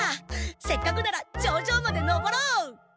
せっかくなら頂上まで登ろう！